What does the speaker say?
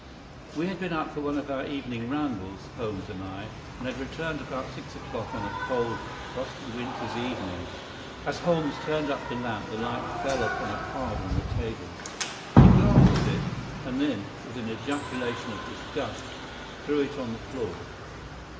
We had been out for one of our evening rambles, Holmes and I, and had returned about six o'clock on a cold, frosty winter's evening. As Holmes turned up the lamp the light fell upon a card on the table. He glanced at it, and then, with an ejaculation of disgust, threw it on the floor.